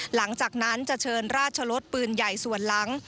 หลังจากนั้นจะเชิญราชลดปืนใหญ่ส่วนหลัง